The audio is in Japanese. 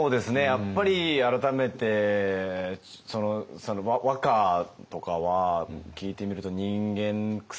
やっぱり改めて和歌とかは聞いてみると人間くさい